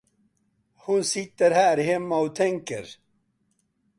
Hon sitter här hemma och tänker.